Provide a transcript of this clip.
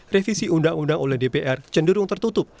revisi undang undang oleh dpr cenderung tertutup